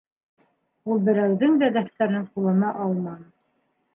Ул берәүҙең дә дәфтәрен ҡулына алманы.